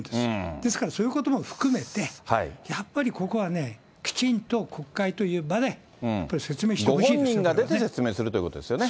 ですから、そういうことも含めて、やっぱりここはね、きちんと国会という場で、やっぱり説明してほしいですよね。